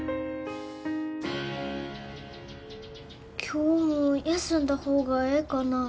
今日も休んだ方がええかな？